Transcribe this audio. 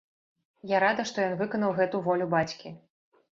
Я рада, што ён выканаў гэту волю бацькі.